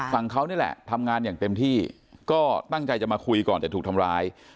ฝั่งเขานี่แหละทำงานอย่างเต็มที่ก็ตั้งใจจะมาคุยก่อนจะถูกทำร้าย